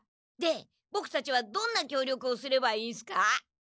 でボクたちはどんな協力をすればいいんすか？